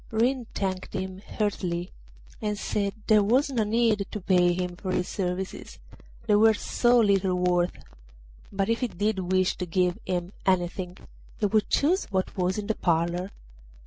Ring thanked him heartily, and said there was no need to pay him for his services, they were so little worth; but if he did wish to give him anything he would choose what was in the parlour.